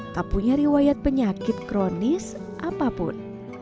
tak punya riwayat penyakit kronis apapun